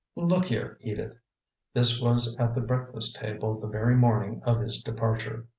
"Look here, Edith," this was at the breakfast table the very morning of his departure.